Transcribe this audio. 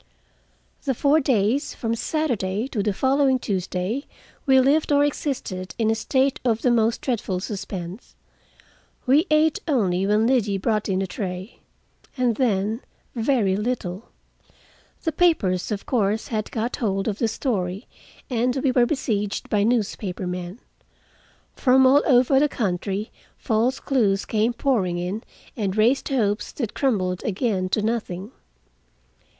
The four days, from Saturday to the following Tuesday, we lived, or existed, in a state of the most dreadful suspense. We ate only when Liddy brought in a tray, and then very little. The papers, of course, had got hold of the story, and we were besieged by newspaper men. From all over the country false clues came pouring in and raised hopes that crumbled again to nothing.